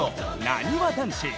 なにわ男子。